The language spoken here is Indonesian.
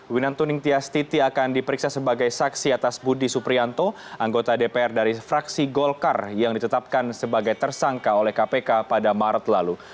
winantu ningtyastiti akan diperiksa sebagai saksi atas budi suprianto anggota dpr dari fraksi golkar yang ditetapkan sebagai tersangka oleh kpk pada maret lalu